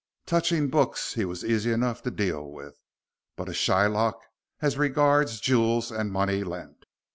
Touching books he was easy enough to deal with, but a Shylock as regards jewels and money lent.